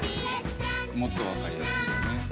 もっと分かりやすいよね。